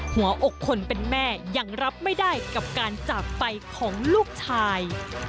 หัวอกคนเป็นแม่ยังรับไม่ได้กับการจากไปของลูกชาย